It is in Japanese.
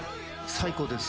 最高です。